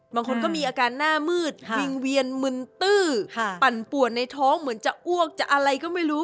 บางคนก็มีอาการหน้ามืดวิ่งเวียนมึนตื้อปั่นป่วนในท้องเหมือนจะอ้วกจะอะไรก็ไม่รู้